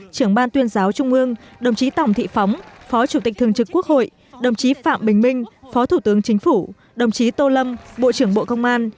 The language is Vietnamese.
trưởng ban tuyên giáo trung ương đồng chí tổng thị phóng phó chủ tịch thường trực quốc hội đồng chí phạm bình minh phó thủ tướng chính phủ đồng chí tô lâm bộ trưởng bộ công an